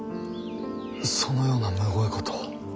そのようなむごいことを。